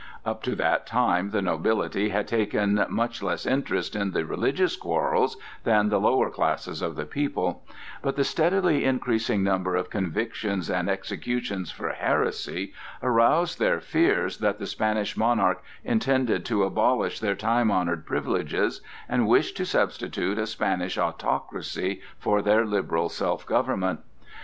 Up to that time the nobility had taken much less interest in the religious quarrels than the lower classes of the people; but the steadily increasing number of convictions and executions for heresy aroused their fears that the Spanish monarch intended to abolish their time honored privileges and wished to substitute a Spanish autocracy for their liberal self government.